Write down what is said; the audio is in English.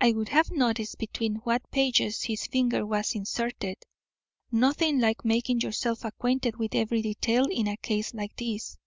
"I would have noticed between what pages his finger was inserted. Nothing like making yourself acquainted with every detail in a case like this."